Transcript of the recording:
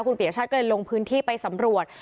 คุณปียชาติก็เลยลงพื้นที่ไปสำรวจ